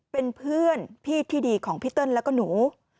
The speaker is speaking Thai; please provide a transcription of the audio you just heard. เป็นเพื่อนพี่ที่ดีของพี่เติ้ลแล้วก็หนู